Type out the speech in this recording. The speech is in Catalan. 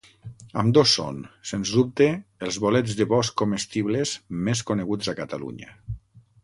Ambdós són, sens dubte, els bolets de bosc comestibles més coneguts a Catalunya.